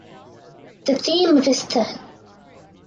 The theme of his Th.